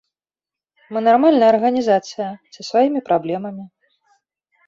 Мы нармальная арганізацыя, са сваімі праблемамі.